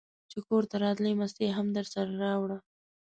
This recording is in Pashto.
چې کورته راتلې مستې هم درسره راوړه!